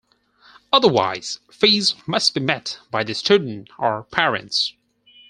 Otherwise fees must be met by the student, or parents.